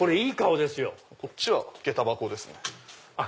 こっちはげた箱ですね。